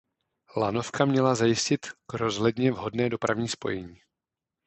Lanovka měla zajistit k rozhledně vhodné dopravní spojení.